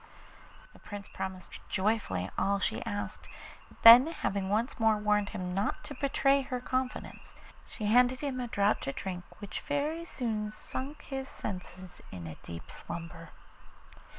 The Prince promised joyfully all she asked; then having once more warned him not to betray her confidence, she handed him a draught to drink which very soon sunk his senses in a deep slumber.